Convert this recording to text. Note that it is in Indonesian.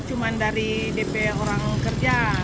ini cuman dari dp orang kerja